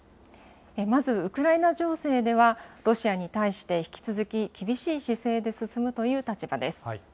まず、ウクライナ情勢では、ロシアに対して引き続き厳しい姿勢で進むという立場です。